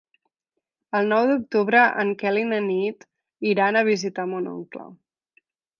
El nou d'octubre en Quel i na Nit iran a visitar mon oncle.